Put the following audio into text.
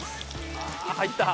あ入った。